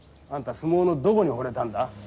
相撲のどこにほれたんだ？